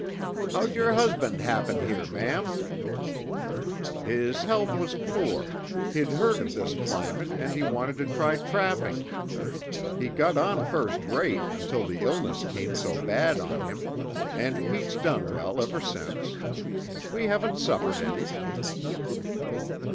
"How'd your husband happen here, ma'am?" "His health was poor; he'd heard of this climate, and he wanted to try trapping. He got on first rate until the illness came so bad on him, and Pete's done well ever since. We haven't suffered any."